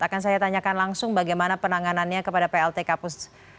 akan saya tanyakan langsung bagaimana penanganannya kepada plt kapus